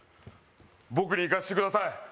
僕に行かしてください